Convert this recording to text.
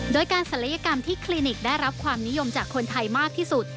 โดยการศัลยกรรมที่คลินิกได้รับความนิยมจากคนไทยมากที่สุด